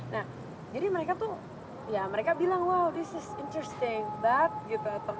nah jadi mereka tuh ya mereka bilang wow this is interstain but gitu